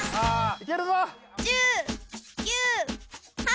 ・いけるぞ！